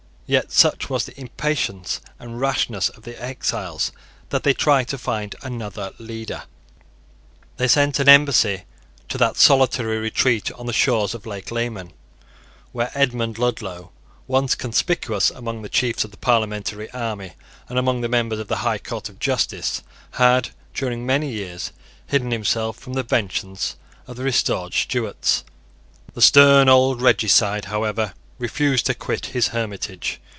Yet such was the impatience and rashness of the exiles that they tried to find another leader. They sent an embassy to that solitary retreat on the shores of Lake Leman where Edmund Ludlow, once conspicuous among the chiefs of the parliamentary army and among the members of the High Court of Justice, had, during many years, hidden himself from the vengeance of the restored Stuarts. The stern old regicide, however, refused to quit his hermitage.